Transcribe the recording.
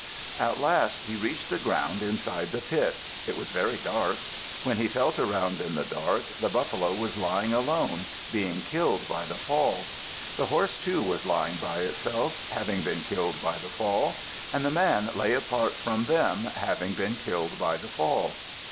At last he reached the ground inside the pit. It was very dark. When he felt around in the dark, the buffalo was lying alone, being killed by the fall. The horse, too, was lying by itself, having been killed by the fall. And the man lay apart from them, having been killed by the fall.